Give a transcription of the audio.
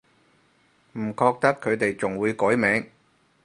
唔覺得佢哋仲會改名